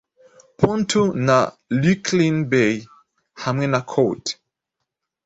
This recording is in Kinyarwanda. Pontu na Lucrine Bay, hamwe na Coat